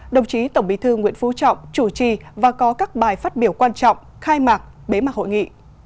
đồng chí tổng bí thư nguyễn phú trọng chủ trì và có các bài phát biểu quan trọng khai mạc bế mạc hội nghị